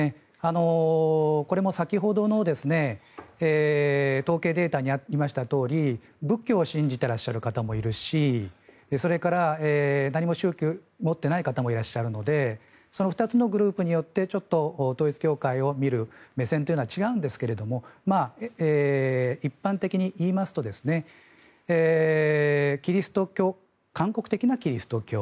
これも、先ほどの統計データにありましたとおり仏教を信じてらっしゃる方もいるしそれから何も宗教を持っていない方もいらっしゃるのでその２つのグループによって統一教会を見る目線というのは違うんですけれども一般的に言いますと韓国的なキリスト教